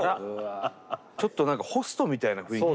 ちょっと何かホストみたいな雰囲気。